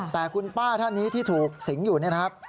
แต่คุณป้าท่านนี้ที่ถูกสิงอยู่นี่นะครับ